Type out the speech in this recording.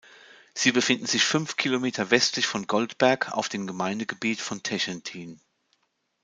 Sie befinden sich fünf Kilometer westlich von Goldberg auf dem Gemeindegebiet von Techentin.